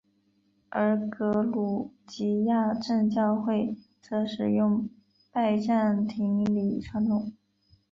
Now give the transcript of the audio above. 而格鲁吉亚正教会则使用拜占庭礼传统。